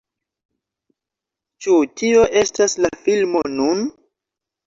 Ĉu tio estas la filmo nun?